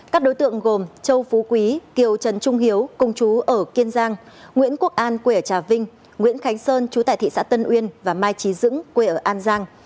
các đối tượng gồm châu phú quý kiều trần trung hiếu công chú ở kiên giang nguyễn quốc an quê ở trà vinh nguyễn khánh sơn chú tại thị xã tân uyên và mai trí dững quê ở an giang